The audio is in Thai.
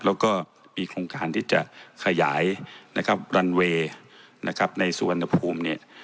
แล้วก็มีโครงการที่จะขยายนะครับรันเวย์นะครับในสุวรรณภูมิเนี่ย